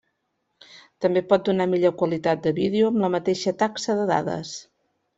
També pot donar millor qualitat de vídeo amb la mateixa taxa de dades.